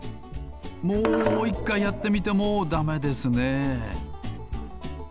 もう１かいやってみてもだめですね。